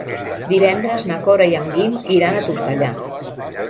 Divendres na Cora i en Guim iran a Tortellà.